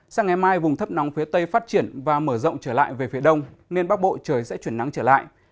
sáng ngày mai vùng thấp nóng phía tây phát triển và mở rộng trở lại về phía đông nên bắc bộ trời sẽ chuyển nắng trở lại